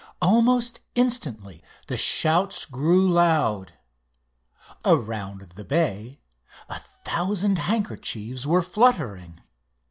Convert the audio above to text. Almost instantly the shouts grew loud. Around the bay a thousand handkerchiefs were fluttering.